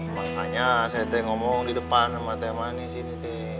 makanya saya teh ngomong di depan sama teman di sini